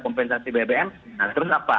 kompensasi bbm nah terus apa